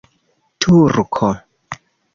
turko